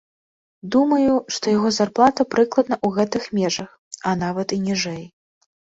Думаю, што яго зарплата прыкладна ў гэтых межах, а нават і ніжэй.